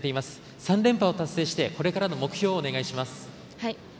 ３連覇を達成してこれからの目標をお願いします。